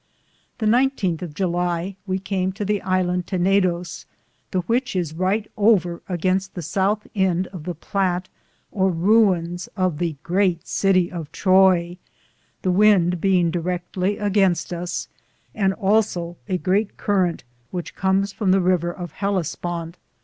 The 19th of July we came to the Hand Tenedoes, the which is ryghte over agenste the southe Ende of the platt or ruins of the great Cittie of Troye, the wynde beinge Direcklly againstc us, and also a great Currante which comes from the rever of Hellisponte.